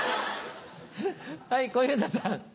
はい小遊三さん。